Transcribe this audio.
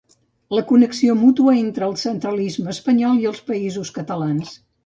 La connexió mútua entre el centralisme espanyol i els Països Catalans.